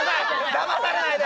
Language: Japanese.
だまされないで！